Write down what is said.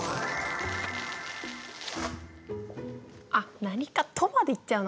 あっ「なにかと」までいっちゃうのか。